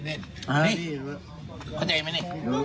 เข้าใจไหมเน่น